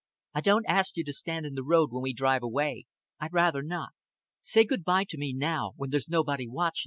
"I don't ast you to stand in th' road when we drive away. I'd rather not. Say good by to me now, when there's nobody watchin'."